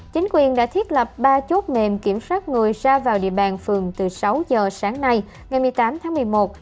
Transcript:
chính quyền đã thiết lập ba chốt mềm kiểm soát người ra vào địa bàn phường từ sáu giờ sáng nay ngày một mươi tám tháng một mươi một